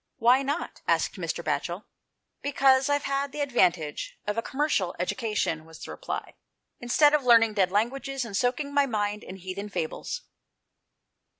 "Why not?" asked Mr. Batchel. "Because I've had the advantage of a commercial education," was the reply, " instead of learning dead languages and soaking my mind in heathen fables."